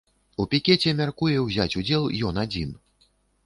У пікеце мяркуе ўзяць удзел ён адзін.